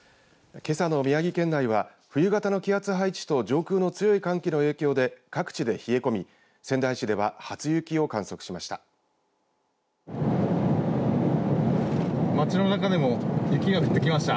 けさの宮城県内は冬型の気圧配置と上空の強い寒気の影響で各地で冷え込み仙台市では初雪を観測しました。